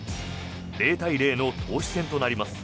０対０の投手戦となります。